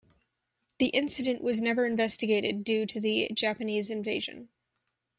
The incident was never investigated due to the Japanese invasion.